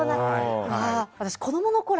私、子供のころ